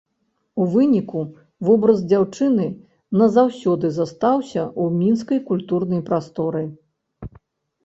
У выніку вобраз дзяўчыны назаўсёды застаўся ў мінскай культурнай прасторы.